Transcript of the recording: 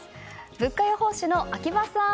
物価予報士の秋葉さん